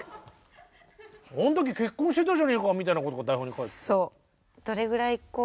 「あん時結婚してたじゃねえか」みたいなことが台本に書いてある。